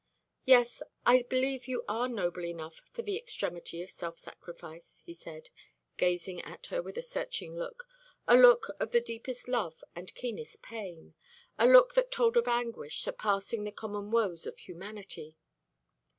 "Yes, I believe you are noble enough for the extremity of self sacrifice," he said, gazing at her with a searching look, a look of the deepest love and keenest pain, a look that told of anguish surpassing the common woes of humanity.